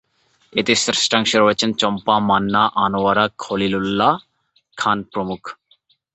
এতে শ্রেষ্ঠাংশে রয়েছেন চম্পা, মান্না, আনোয়ারা, খলিল উল্লাহ খান প্রমুখ।